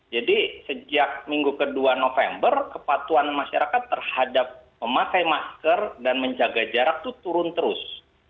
jadi sejak minggu kedua november kepatuan masyarakat terhadap memakai masker dan menjaga jarak itu turun terus